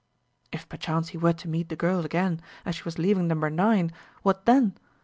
If perchance he were to meet the girl again as she was leaving Number 9, what then?